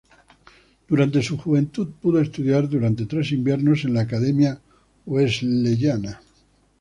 Durante su juventud pudo estudiar durante tres inviernos en la Academia Wesleyana.